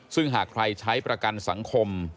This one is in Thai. ซึ่งหากใครใช้ประกันสังคม